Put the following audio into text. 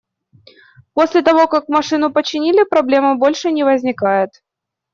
После того, как машину починили, проблема больше не возникает.